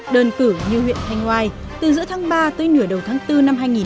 đơn cử như huyện thanh oai từ giữa tháng ba tới nửa đầu tháng bốn năm hai nghìn hai mươi